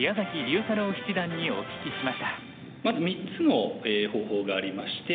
まず３つの方法がありまして。